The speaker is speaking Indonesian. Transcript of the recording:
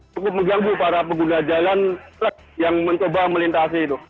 cukup mengganggu para pengguna jalan truk yang mencoba melintasi itu